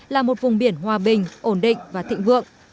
là một vùng biển hòa bình ổn định và thịnh vượng